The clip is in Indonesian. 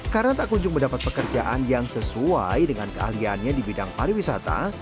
karena tak kunjung mendapat pekerjaan yang sesuai dengan keahliannya di bidang pariwisata